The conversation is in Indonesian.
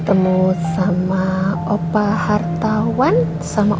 nah kita mau pergi ke rumah